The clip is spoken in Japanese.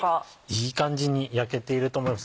いい感じに焼けていると思います。